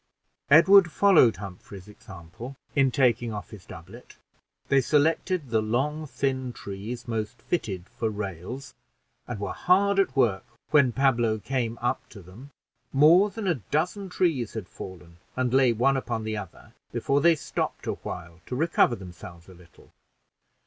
'" Edward followed Humphrey's example in taking off his doublet; they selected the long thin trees most fitted for rails, and were hard at work when Pablo came up to them. More than a dozen trees had fallen, and lay one upon the other, before they stopped a while to recover themselves a little.